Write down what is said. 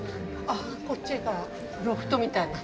あっこっちがロフトみたいな？